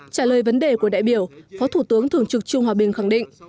trả lời vấn đề của đại biểu phó thủ tướng thường trực trương hòa bình khẳng định